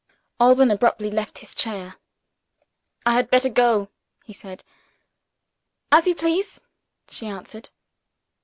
Alban abruptly left his chair. "I had better go!" he said. "As you please," she answered.